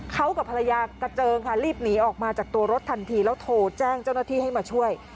เขากับภรรยากระเจิงค่ะรีบหนีออกมาจากตัวรถทันทีแล้วโทรแจ้งเจ้าหน้าที่ให้มาช่วย